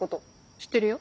知ってるよ。